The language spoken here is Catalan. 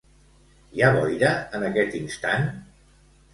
Hi ha boira en aquest instant?